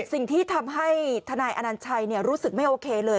สิ่งที่ทำให้ทนายอนัญชัยรู้สึกไม่โอเคเลย